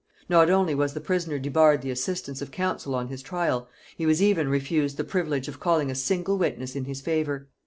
Not only was the prisoner debarred the assistance of counsel on his trial, he was even refused the privilege of calling a single witness in his favor.